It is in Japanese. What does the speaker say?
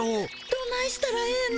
どないしたらええの？